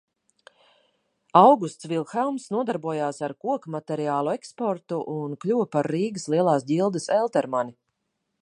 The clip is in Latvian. Augusts Vilhelms nodarbojās ar kokmateriālu eksportu un kļuva par Rīgas Lielās ģildes eltermani.